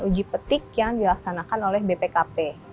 uji petik yang dilaksanakan oleh bpkp